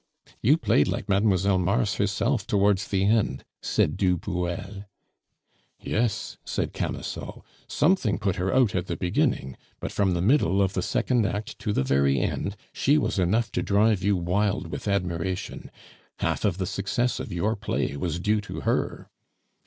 "You played like Mlle. Mars herself towards the end," said du Bruel. "Yes," said Camusot, "something put her out at the beginning; but from the middle of the second act to the very end, she was enough to drive you wild with admiration. Half of the success of your play was due to her."